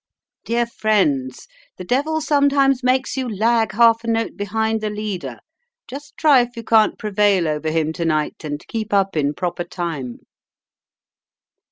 "Dear friends, the devil sometimes makes you lag half a note behind the leader. Just try if you can't prevail over him to night, and keep up in proper time."